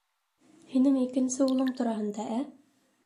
Һинең икенсе улың тураһында, ә?